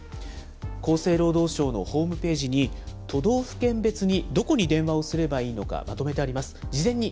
厚生労働省のホームページに、都道府県別にどこに電話をすればいいのか、まとめてあります。